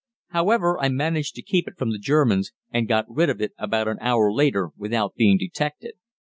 However, I managed to keep it from the Germans, and got rid of it about an hour later without being detected.